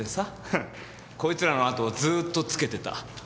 フッこいつらの跡をずーっとつけてた。